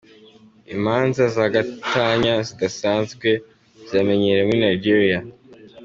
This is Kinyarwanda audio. Imanza za gatanya zidasanzwe ziramenyerewe muri Nigeria.